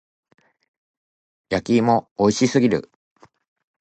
焼き芋美味しすぎる。